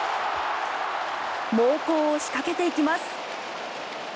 猛攻を仕掛けていきます。